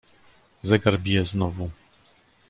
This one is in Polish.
"Zegar bije znowu."